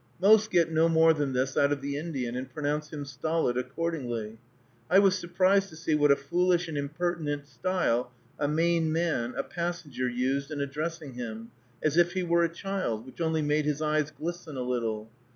Most get no more than this out of the Indian, and pronounce him stolid accordingly. I was surprised to see what a foolish and impertinent style a Maine man, a passenger, used in addressing him, as if he were a child, which only made his eyes glisten a little.